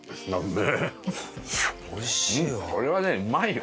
おいしいよ！